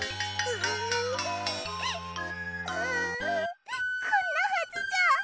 ううこんなはずじゃ。